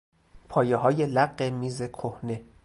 پایههای لق میز کهنه